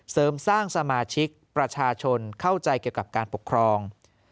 เสริมสร้างสมาชิกประชาชนเข้าใจเกี่ยวกับการปกครอง